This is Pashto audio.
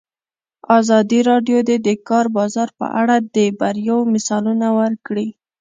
ازادي راډیو د د کار بازار په اړه د بریاوو مثالونه ورکړي.